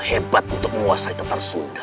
hebat untuk menguasai tanar sunda